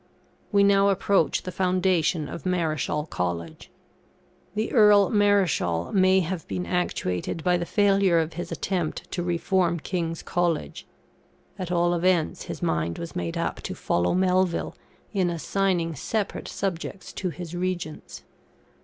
We now approach the foundation of Marischal College. The Earl Marischal may have been actuated by the failure of his attempt to reform King's College. At all events, his mind was made up to follow Melville in assigning separate subjects to his Regents.